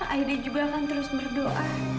akhirnya juga akan terus berdoa